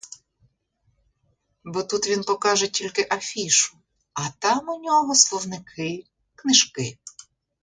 Бо тут він покаже тільки афішу, а там у нього словники, книжки.